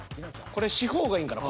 これ四方がいいんかな。